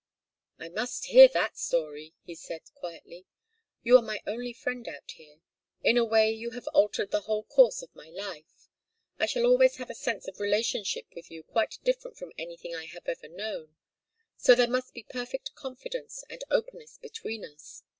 "I must hear that story," he said, quietly. "You are my only friend out here. In a way you have altered the whole course of my life. I shall always have a sense of relationship with you quite different from anything I have ever known. So there must be perfect confidence and openness between us.